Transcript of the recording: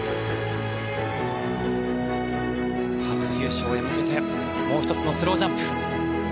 初優勝へ向けてもう１つのスロウジャンプ。